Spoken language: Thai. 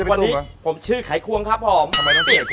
วันนี้ผมชื่อไข่ควงครับผม